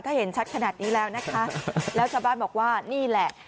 ถ้าเห็นชัดขนาดนี้แล้วนะคะแล้วชาวบ้านบอกว่านี่แหละ